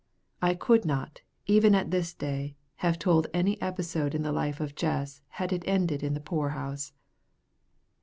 I could not, even at this day, have told any episode in the life of Jess had it ended in the poor house.